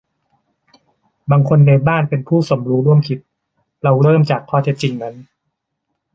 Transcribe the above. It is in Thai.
บางคนในบ้านเป็นผู้สมรู้ร่วมคิด - เราเริ่มจากข้อเท็จจริงนั้น